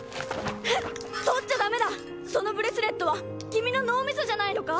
取っちゃダメだそのブレスレットは君の脳みそじゃないのか？